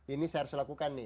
ini harus dilakukan nih